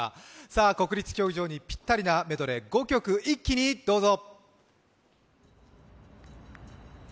さあ、国立競技場にピッタリなメドレー、５曲一気にどうぞ。